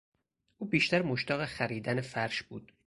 او بیشتر مشتاق خریدن فرش بود.